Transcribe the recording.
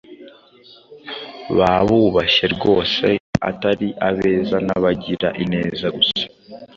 babubashye rwose, atari abeza n’abagira ineza gusa